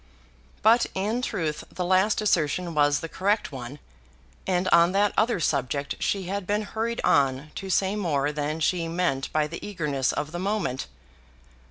But in truth the last assertion was the correct one, and on that other subject she had been hurried on to say more than she meant by the eagerness of the moment.